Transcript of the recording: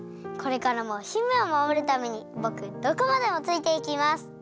これからも姫をまもるためにぼくどこまでもついていきます！